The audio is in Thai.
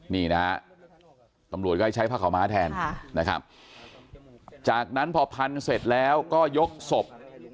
นี่นะฮะตำรวจก็จะใช้ผ้าขาวม้าแทนนะครับจากนั้นพอพันเสร็จแล้วก็ยกศพ